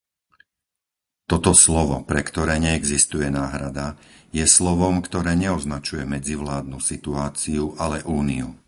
Toto slovo, pre ktoré neexistuje náhrada, je slovom, ktoré neoznačuje medzivládnu situáciu, ale úniu.